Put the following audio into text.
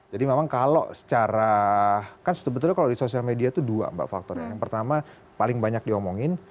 jadi memang kalau secara kan sebetulnya kalau di sosial media itu dua mbak faktor ya yang pertama paling banyak diomongin